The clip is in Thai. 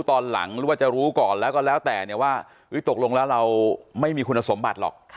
ตอนหลังหรือว่าจะรู้ก่อนแล้วก็แล้วแต่เนี่ยว่าตกลงแล้วเราไม่มีคุณสมบัติหรอก